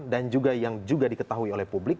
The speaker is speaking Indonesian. dan juga yang diketahui oleh publik